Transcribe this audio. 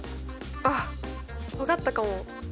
あっ分かったかも。